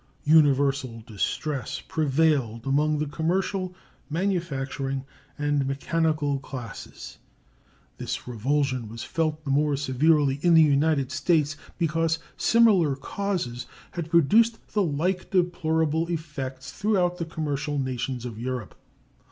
Universal distress prevailed among the commercial, manufacturing, and mechanical classes. This revulsion was felt the more severely in the United States because similar causes had produced the like deplorable effects throughout the commercial nations of Europe.